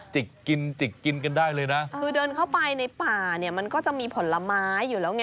จิกกินจิกกินกันได้เลยนะคือเดินเข้าไปในป่าเนี่ยมันก็จะมีผลไม้อยู่แล้วไง